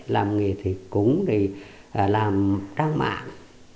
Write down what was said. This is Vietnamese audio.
làm nghề thể cúng làm trang mạng